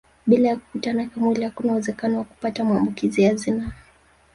Bila ya kukutana kimwili hakuna uwezekano wa kupata maambukizi ya zinaa